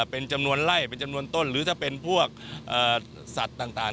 เป็นจำนวนไล่เป็นจำนวนต้นหรือถ้าเป็นพวกสัตว์ต่าง